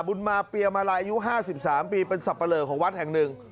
บุญมาเปียมาลัยอายุ๕๓ปีเป็นสับปะเลอของวัดแห่งหนึ่ง